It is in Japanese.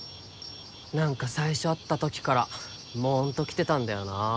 何か最初会った時からモンと来てたんだよなぁ。